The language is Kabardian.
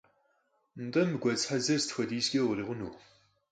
АтӀэ, мы гуэдз хьэдзэр сыт хуэдизкӀэ урикъуну?